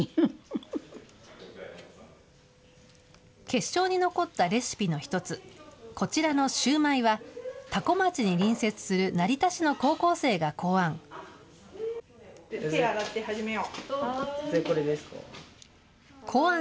決勝に残ったレシピの１つ、こちらのシューマイは、多古町に隣接する成田市の高校生が考案。